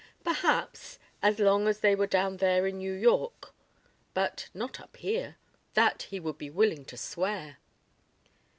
Perhaps as long as they were down there in New York. But not up here. That he would be willing to swear.